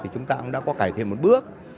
chúng ta đã có cải thiện một bước